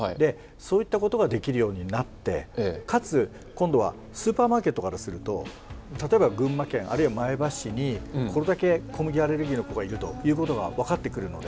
そういったことができるようになってかつ今度はスーパーマーケットからすると例えば群馬県あるいは前橋市にこれだけ小麦アレルギーの子がいるということが分かってくるので。